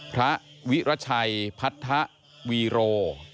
พระวิรชัยพัทธวีโร